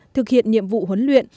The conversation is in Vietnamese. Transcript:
thực hiện nhiệm vụ huấn luyện